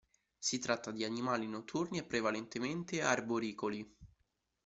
Si tratta di animali notturni e prevalentemente arboricoli.